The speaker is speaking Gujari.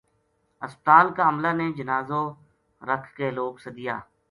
ہسپتال کا عملہ نے جنازو رکھ کے لوک سدیا